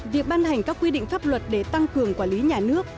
việc ban hành các quy định pháp luật để tăng cường quản lý nhà nước